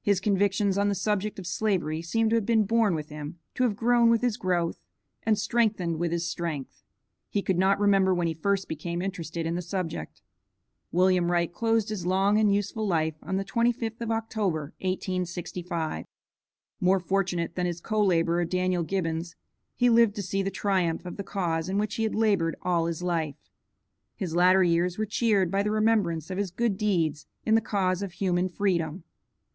His convictions on the subject of slavery seem to have been born with him, to have grown with his growth, and strengthened with his strength. He could not remember when he first became interested in the subject. William Wright closed his long and useful life on the 25th of October, 1865. More fortunate than his co laborer, Daniel Gibbons, he lived to see the triumph of the cause in which he had labored all his life. His latter years were cheered by the remembrance of his good deeds in the cause of human freedom.